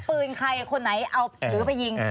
ปืนใครคนไหนเอาถือไปยิง